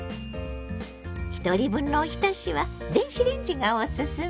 ひとり分のおひたしは電子レンジがオススメよ。